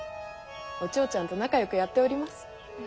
お千代ちゃんと仲よくやっております。